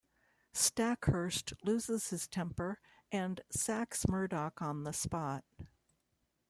Stackhurst loses his temper and sacks Murdoch on the spot.